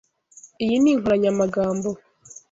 Iyi ni inkoranyamagambo.